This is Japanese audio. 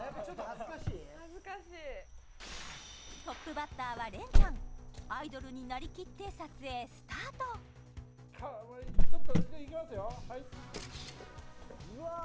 恥ずかしいトップバッターは恋ちゃんアイドルになりきって撮影スタートカワイイうわー